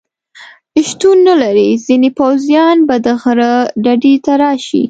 شتون نه لري، ځینې پوځیان به د غره ډډې ته راشي.